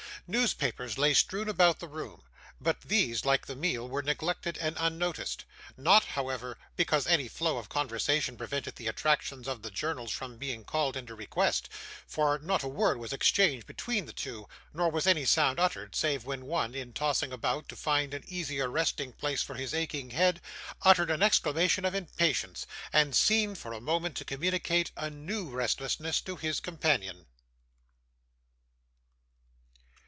Newspapers lay strewn about the room, but these, like the meal, were neglected and unnoticed; not, however, because any flow of conversation prevented the attractions of the journals from being called into request, for not a word was exchanged between the two, nor was any sound uttered, save when one, in tossing about to find an easier resting place for his aching head, uttered an exclamation of impatience, and seemed for a moment to communicate a new restlessness to his companion.